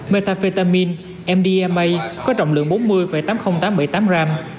metafetamin mdma có trọng lượng bốn mươi tám mươi nghìn tám trăm bảy mươi tám gram